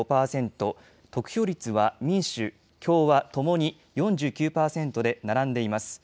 得票率は民主、共和ともに４９％で並んでいます。